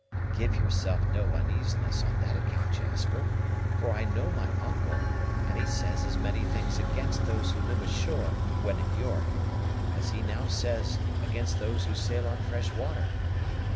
"Give yourself no uneasiness on that account, Jasper; for I know my uncle, and he says as many things against those who live ashore, when at York, as he now says against those who sail on fresh water.